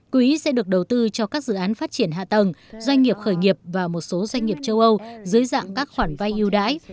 quỹ sẽ được đầu tư cho các dự án phát triển hạ tầng doanh nghiệp khởi nghiệp và một số doanh nghiệp châu âu dưới dạng các khoản vay yêu đãi